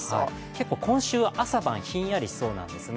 結構今週、朝晩ひんやりしそうなんですね。